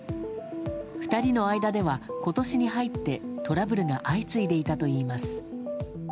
２人の間では、今年に入ってトラブルが相次いでいたといいます。